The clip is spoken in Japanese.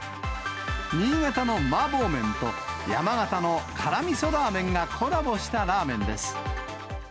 新潟の麻婆麺と山形のからみそラーメンがコラボしたラーメンです。